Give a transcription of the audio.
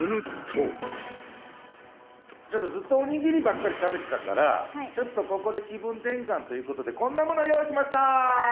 ずっとおにぎりばっかり食べてたからちょっとここで気分転換ということでこんなもの用意しました！